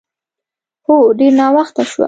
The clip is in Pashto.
هو، ډېر ناوخته شوه.